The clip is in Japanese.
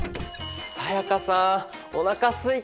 才加さんおなかすいた！